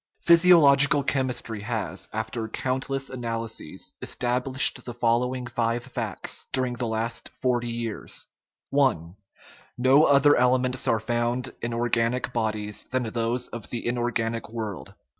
Physiological chemistry has, after countless analy ses, established the following five facts during the last forty years : I. No other elements are found in organic bodies than those of the inorganic world.